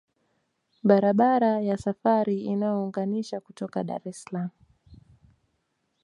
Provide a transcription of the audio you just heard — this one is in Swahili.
Barabara na safari inayounganisha kutoka Dar es salaam